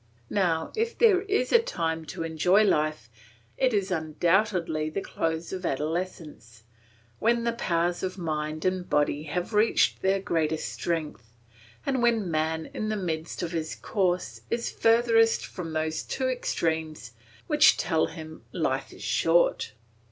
Now if there is a time to enjoy life, it is undoubtedly the close of adolescence, when the powers of mind and body have reached their greatest strength, and when man in the midst of his course is furthest from those two extremes which tell him "Life is short."